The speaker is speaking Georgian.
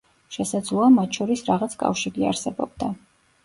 შესაძლოა, მათ შორის რაღაც კავშირი არსებობდა.